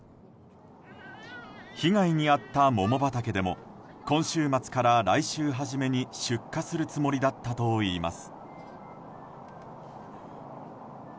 被害にあった桃畑でも今週末から来週初めに出荷するつもりだったといいます。